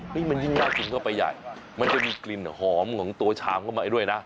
มันยิ่งน่ากินเข้าไปใหญ่มันจะมีกลิ่นหอมของตัวชามเข้ามาด้วยนะ